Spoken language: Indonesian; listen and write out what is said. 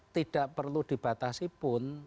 tidak perlu dibatasi pun